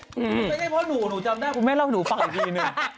ไม่ใช่เพราะหนูหนูจำได้คุณแม่เล่าให้หนูฟังอีกทีนึง